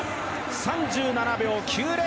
３７秒９０。